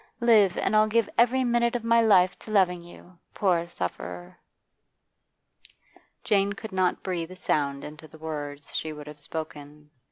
Live, and I'll give every minute of my life to loving you, poor sufferer.' Jane could not breathe sound into the words she would have spoken.